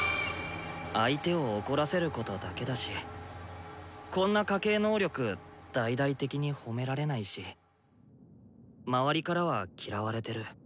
相手を怒らせることだけだしこんな家系能力大々的に褒められないし周りからは嫌われてる。